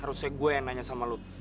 harusnya gue yang nanya sama lut